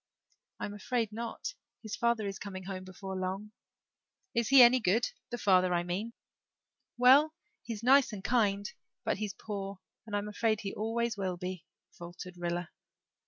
"I'm afraid not. His father is coming home before long." "Is he any good the father, I mean?" "Well he's kind and nice but he's poor and I'm afraid he always will be," faltered Rilla.